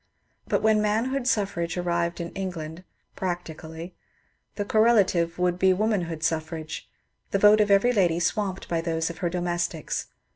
But when manhood suffrage arrived in England (practically) the correlative would be womanhood suffrage, — the vote of every lady swamped by those of her domestics.